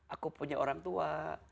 aku punya orang tua